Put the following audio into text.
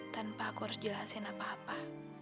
tanpa aku harus jelasin apa apa